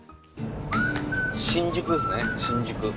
新宿ですね、新宿。